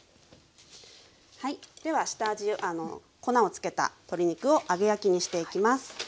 はいでは粉をつけた鶏肉を揚げ焼きにしていきます。